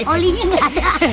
olinya nggak ada